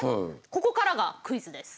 ここからがクイズです。